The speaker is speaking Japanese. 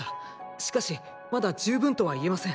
しかしまだ十分とは言えません。